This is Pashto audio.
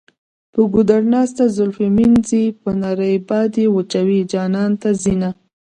په ګودر ناسته زلفې مینځي په نري باد یې وچوي جانان ته ځینه.